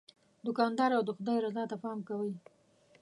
دوکاندار د خدای رضا ته پام کوي.